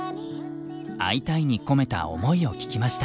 「アイタイ！」に込めた思いを聞きました。